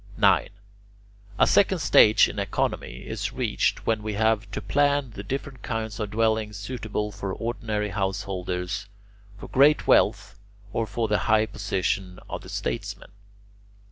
9. A second stage in Economy is reached when we have to plan the different kinds of dwellings suitable for ordinary householders, for great wealth, or for the high position of the statesman.